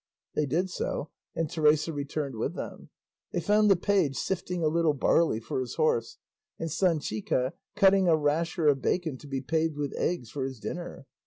They did so, and Teresa returned with them. They found the page sifting a little barley for his horse, and Sanchica cutting a rasher of bacon to be paved with eggs for his dinner.